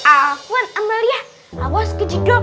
awan amalia awas kecudok